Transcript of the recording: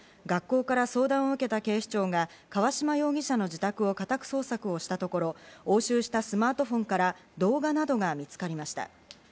学校から相談を受けた警視庁が河嶌容疑者の自宅を家宅捜索をしたところ、押収したスマートフォンから動画などが見つかりました。